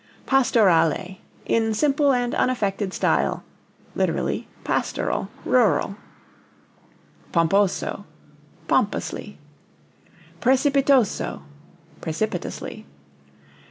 Pastorale in simple and unaffected style, (lit. pastoral, rural). Pomposo pompously. Precipitoso precipitously.